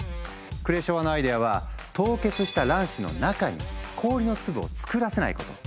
クレショワのアイデアは凍結した卵子の中に氷の粒を作らせないこと。